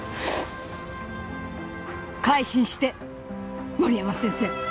改心して森山先生。